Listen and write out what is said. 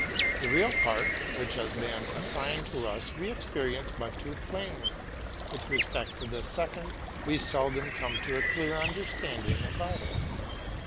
The real part which has been as signed to us we experience but too plainly ; with respect to the second, we seldom come to a clear understanding about it.